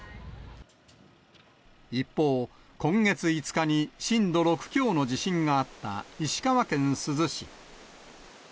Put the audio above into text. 一方、今月５日に震度６強の地震があった石川県珠洲市。